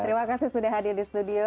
terima kasih sudah hadir di studio